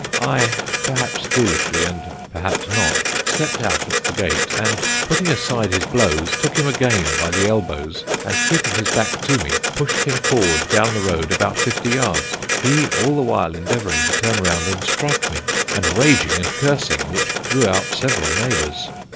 I, perhaps foolishly and perhaps not, stepped out at the gate, and, putting aside his blows, took him again by the elbows, and, keeping his back to me, pushed him forward down the road about fifty yards he all the while endeavouring to turn round and strike me, and raging and cursing, which drew out several neighbours.